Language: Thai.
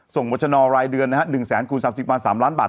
วัชนอรายเดือนนะฮะ๑แสนคูณ๓๐วัน๓ล้านบาท